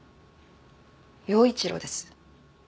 耀一郎です。